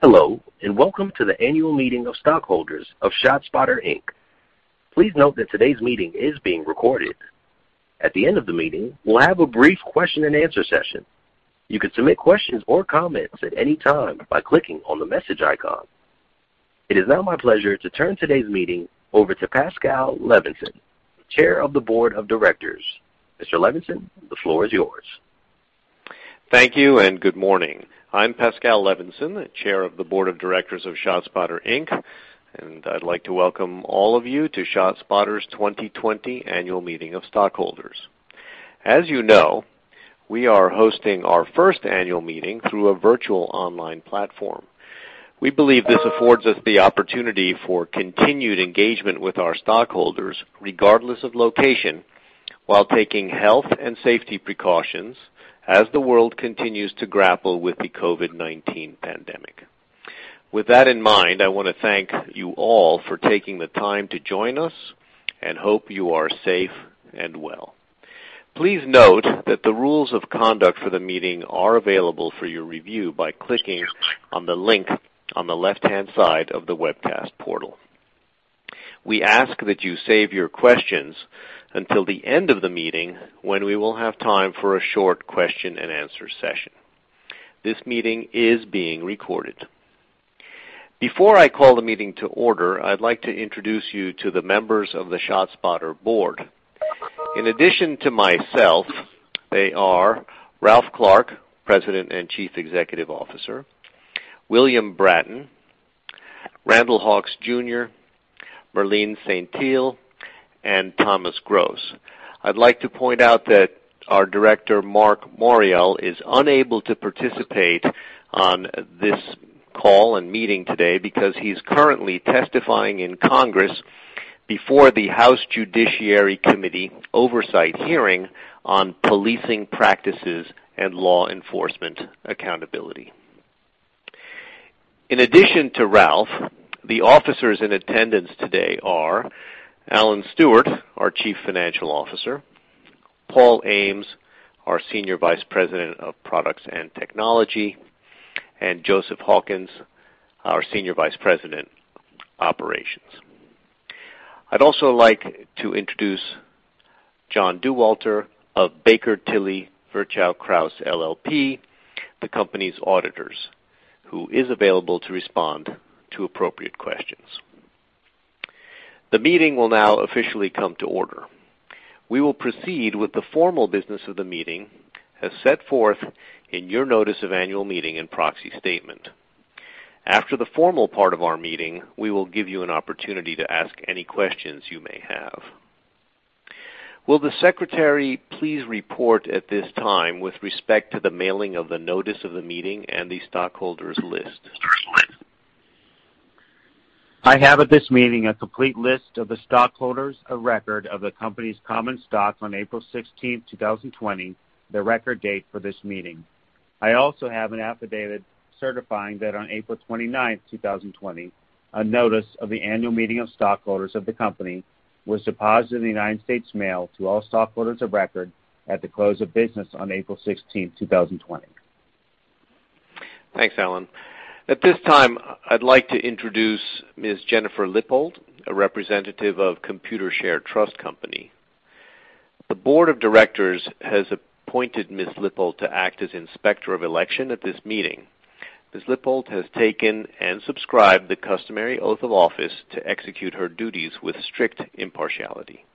Hello, welcome to the annual meeting of stockholders of ShotSpotter, Inc. Please note that today's meeting is being recorded. At the end of the meeting, we'll have a brief question and answer session. You can submit questions or comments at any time by clicking on the message icon. It is now my pleasure to turn today's meeting over to Pascal Levensohn, chair of the board of directors. Mr. Levensohn, the floor is yours. Thank you, and good morning. I'm Pascal Levensohn, the chair of the board of directors of ShotSpotter, Inc. I'd like to welcome all of you to ShotSpotter's 2020 annual meeting of stockholders. As you know, we are hosting our first annual meeting through a virtual online platform. We believe this affords us the opportunity for continued engagement with our stockholders regardless of location while taking health and safety precautions as the world continues to grapple with the COVID-19 pandemic. With that in mind, I want to thank you all for taking the time to join us and hope you are safe and well. Please note that the rules of conduct for the meeting are available for your review by clicking on the link on the left-hand side of the webcast portal. We ask that you save your questions until the end of the meeting when we will have time for a short question and answer session. This meeting is being recorded. Before I call the meeting to order, I'd like to introduce you to the members of the ShotSpotter board. In addition to myself, they are Ralph Clark, President and Chief Executive Officer, William Bratton, Randall Hawks, Jr., Merline Saintil, and Thomas Groos. I'd like to point out that our director, Marc Morial, is unable to participate on this call and meeting today because he's currently testifying in Congress before the House Judiciary Committee oversight hearing on policing practices and law enforcement accountability. In addition to Ralph, the officers in attendance today are Alan Stewart, our Chief Financial Officer, Paul Ames, our Senior Vice President of Products and Technology, and Joseph Hawkins, our Senior Vice President, Operations. I'd also like to introduce John Dauwalter of Baker Tilly Virchow Krause LLP, the company's auditors, who is available to respond to appropriate questions. The meeting will now officially come to order. We will proceed with the formal business of the meeting as set forth in your notice of annual meeting and proxy statement. After the formal part of our meeting, we will give you an opportunity to ask any questions you may have. Will the secretary please report at this time with respect to the mailing of the notice of the meeting and the stockholders list? I have at this meeting a complete list of the stockholders of record of the company's common stock on April 16th, 2020, the record date for this meeting. I also have an affidavit certifying that on April 29th, 2020, a notice of the annual meeting of stockholders of the company was deposited in the United States Mail to all stockholders of record at the close of business on April 16th, 2020. Thanks, Alan. At this time, I'd like to introduce Ms. Jennifer Lippoldt, a representative of Computershare Trust Company. The board of directors has appointed Ms. Lippoldt to act as inspector of election at this meeting. Ms. Lippoldt has taken and subscribed the customary oath of office to execute her duties with strict impartiality.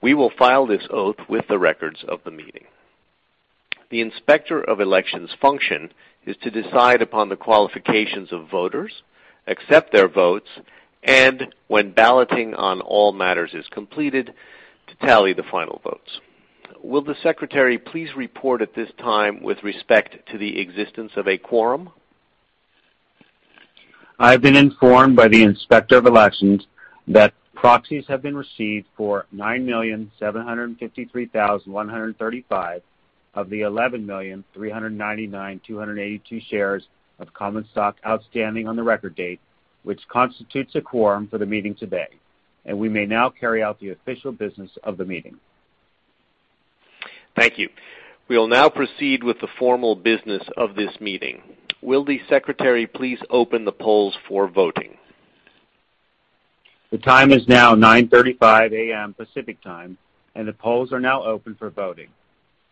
We will file this oath with the records of the meeting. The inspector of election's function is to decide upon the qualifications of voters, accept their votes, and when balloting on all matters is completed, to tally the final votes. Will the secretary please report at this time with respect to the existence of a quorum? I've been informed by the inspector of elections that proxies have been received for 9,753,135 of the 11,399,282 shares of common stock outstanding on the record date, which constitutes a quorum for the meeting today. We may now carry out the official business of the meeting. Thank you. We will now proceed with the formal business of this meeting. Will the secretary please open the polls for voting? The time is now 9:35 A.M. Pacific Time. The polls are now open for voting.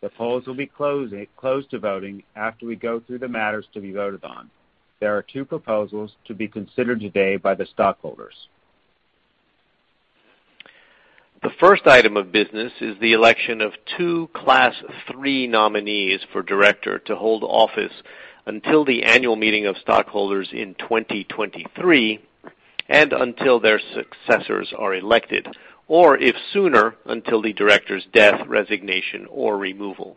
The polls will be closed to voting after we go through the matters to be voted on. There are two proposals to be considered today by the stockholders. The first item of business is the election of two class III nominees for director to hold office until the annual meeting of stockholders in 2023 and until their successors are elected, or if sooner, until the director's death, resignation, or removal.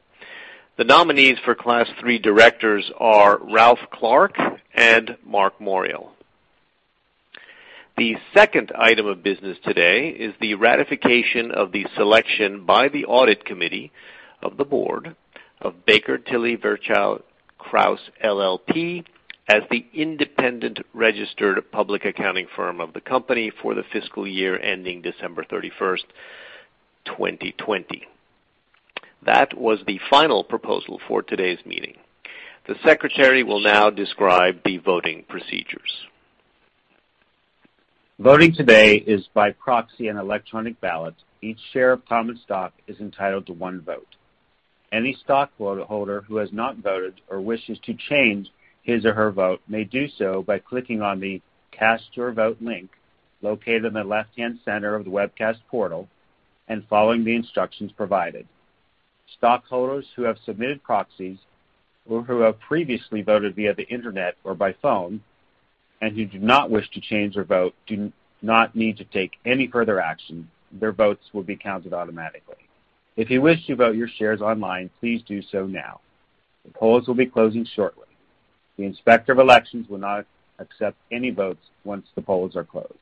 The nominees for class III directors are Ralph Clark and Marc Morial. The second item of business today is the ratification of the selection by the Audit Committee of the Board of Baker Tilly Virchow Krause LLP as the independent registered public accounting firm of the company for the fiscal year ending December 31st, 2020. That was the final proposal for today's meeting. The Secretary will now describe the voting procedures. Voting today is by proxy and electronic ballot. Each share of common stock is entitled to one vote. Any stockholder who has not voted or wishes to change his or her vote may do so by clicking on the Cast Your Vote link located in the left-hand center of the webcast portal and following the instructions provided. Stockholders who have submitted proxies or who have previously voted via the internet or by phone, and who do not wish to change their vote, do not need to take any further action. Their votes will be counted automatically. If you wish to vote your shares online, please do so now. The polls will be closing shortly. The Inspector of Elections will not accept any votes once the polls are closed.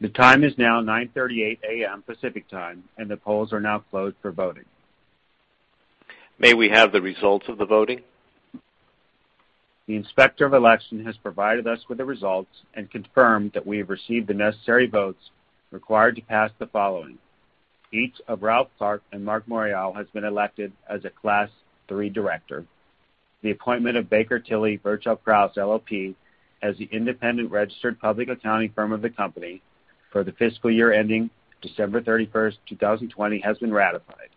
The time is now 9:38 A.M. Pacific Time, and the polls are now closed for voting. May we have the results of the voting? The Inspector of Election has provided us with the results and confirmed that we have received the necessary votes required to pass the following. Each of Ralph Clark and Marc Morial has been elected as a class III director. The appointment of Baker Tilly Virchow Krause, LLP as the independent registered public accounting firm of the company for the fiscal year ending December 31st, 2020, has been ratified.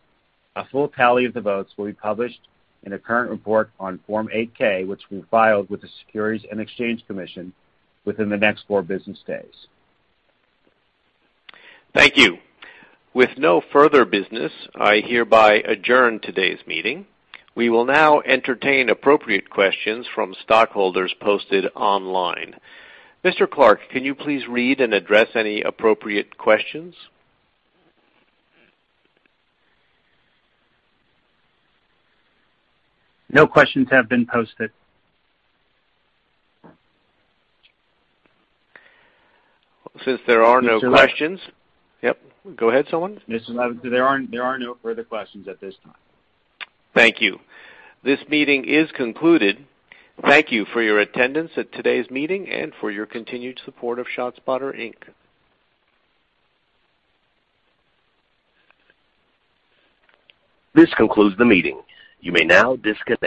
A full tally of the votes will be published in a current report on Form 8-K, which we filed with the Securities and Exchange Commission within the next four business days. Thank you. With no further business, I hereby adjourn today's meeting. We will now entertain appropriate questions from stockholders posted online. Mr. Clark, can you please read and address any appropriate questions? No questions have been posted. Since there are no questions. Mr. Levensohn. Yep, go ahead, someone. Mr. Levensohn, there are no further questions at this time. Thank you. This meeting is concluded. Thank you for your attendance at today's meeting and for your continued support of ShotSpotter, Inc. This concludes the meeting. You may now disconnect.